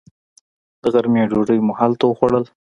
د غرمې ډوډۍ مو هلته وخوړل.